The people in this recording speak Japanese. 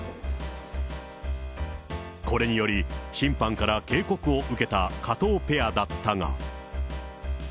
これにより、審判から警告を受けた加藤ペアだったが。